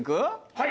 はい！